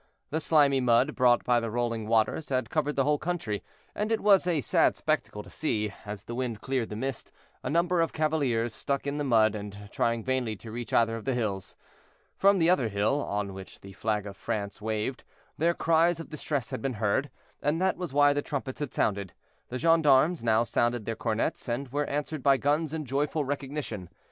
The slimy mud brought by the rolling waters had covered the whole country, and it was a sad spectacle to see, as the wind cleared the mist, a number of cavaliers stuck in the mud, and trying vainly to reach either of the hills. From the other hill, on which the flag of France waved, their cries of distress had been heard, and that was why the trumpets had sounded. The gendarmes now sounded their cornets, and were answered by guns in joyful recognition.